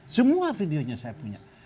semua videonya saya punya